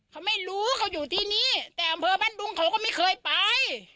เขาไม่รู้เขาอยู่ที่นี้แต่อำเภอบ้านดุงเขาก็ไม่เคยไป